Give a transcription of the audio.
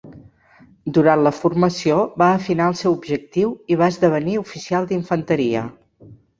Durant la formació va afinar el seu objectiu i va esdevenir oficial d'infanteria.